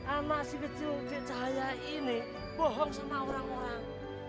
anak si kecil di cahaya ini bohong sama orang orang